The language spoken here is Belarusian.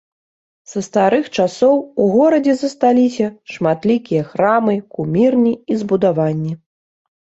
Са старых часоў у горадзе засталіся шматлікія храмы, кумірні і збудаванні.